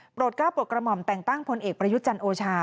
ก้าวโปรดกระหม่อมแต่งตั้งพลเอกประยุทธ์จันทร์โอชา